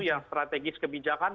yang strategis kebijakan